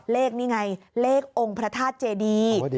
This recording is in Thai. เลขนี่ไงเลของค์พระธาตุเจดี